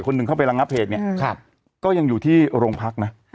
คนนึงเข้าไปรังงับเพจเนี้ยครับก็ยังอยู่ที่โรงพักน่ะอ๋อ